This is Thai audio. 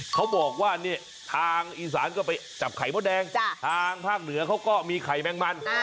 เขาบอกว่าเนี่ยทางอีสานก็ไปจับไข่มดแดงทางภาคเหนือเขาก็มีไข่แมงมัน